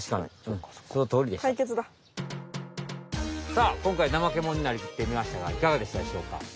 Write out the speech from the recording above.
さあこんかいナマケモノになりきってみましたがいかがでしたでしょうか。